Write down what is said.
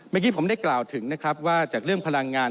เมื่อกี้ผมได้กล่าวถึงนะครับว่าจากเรื่องพลังงาน